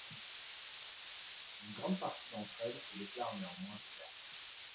Une grande partie d'entre elle se déclare néanmoins serbe.